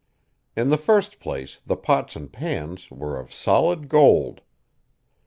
In the first place, the pots and pans were of solid gold.